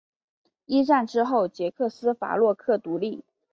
一战之后捷克斯洛伐克独立。